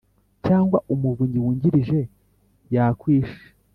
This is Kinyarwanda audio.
cyangwa Umuvunyi wungirije yakwishe